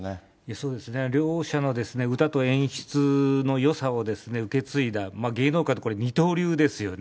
そうですね。両者の歌と演出のよさを受け継いだ、芸能界で二刀流ですよね。